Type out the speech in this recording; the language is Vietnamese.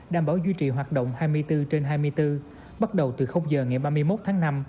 đảm bảo duy trì hoạt động hai mươi bốn trên hai mươi bốn bắt đầu từ giờ ngày ba mươi một tháng năm